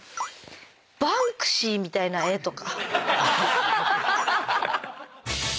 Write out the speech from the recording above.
バンクシーみたいな絵とか。